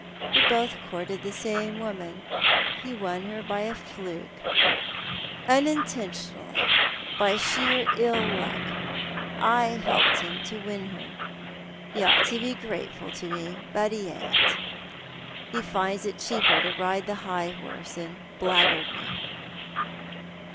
"We both courted the same woman — he won her by a fluke. Unintentionally — by sheer ill luck — I helped him to win her. He ought to be grateful to me, but he ain't. He tinds it cheaper to ride the high horse and blackguard me."